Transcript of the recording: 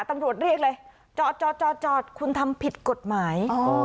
ตำรวจเรียกเลยจอดจอดคุณทำผิดกฎหมาย